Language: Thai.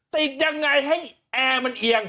ติดยังไงให้แอร์มันเอียง